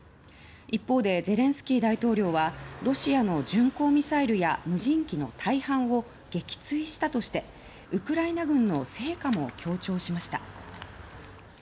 一方でゼレンスキー大統領はロシアの巡航ミサイルや無人機の大半を撃墜したとしてウクライナ軍の成果も強調しました。